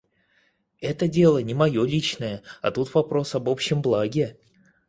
Это дело не мое личное, а тут вопрос об общем благе.